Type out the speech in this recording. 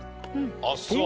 あっそう？